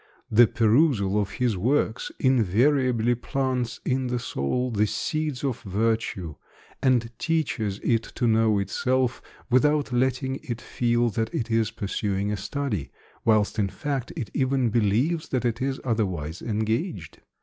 The perusal of his works invariably plants in the soul the seeds of virtue, and teaches it to know itself, without letting it feel that it is pursuing a study, whilst, in fact, it even believes that it is otherwise engaged.